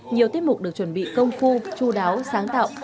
nhiều tiết mục được chuẩn bị công phu chú đáo sáng tạo